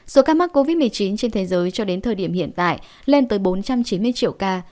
số ca mắc covid một mươi chín trên thế giới cho đến thời điểm hiện tại lên tới bốn trăm chín mươi triệu ca